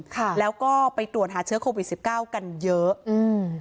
ค่ะแล้วก็ไปตรวจหาเชื้อโควิดสิบเก้ากันเยอะอืม